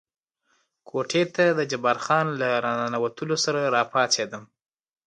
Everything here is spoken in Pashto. کوټې ته د جبار خان له را ننوتلو سره را پاڅېدم.